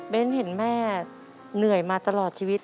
เห็นแม่เหนื่อยมาตลอดชีวิต